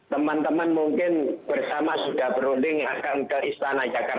teman teman mungkin bersama sudah berunding akan ke istana jakarta